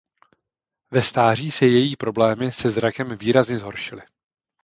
Ve stáří se její problémy se zrakem výrazně zhoršily.